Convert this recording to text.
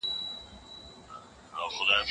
د جرم په بدل کي سزا ورکول کيږي.